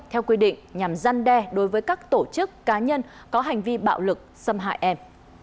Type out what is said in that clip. theo quy định nhằm gian đe đối với các tổ chức cá nhân có hành vi bạo lực xâm hại em